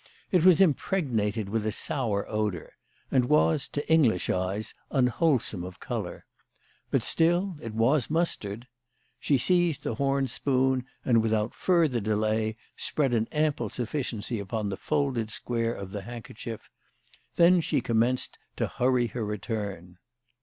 It was impregnated with a sour odour, and was, to Eng lish eyes, unwholesome of colour. But still it was mustard. She seized the horn spoon, and without further delay spread an ample sufficiency on the folded square of the handkerchief. Then she commenced to hurry her return.